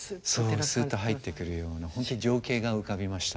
そうすっと入ってくるような本当に情景が浮かびました。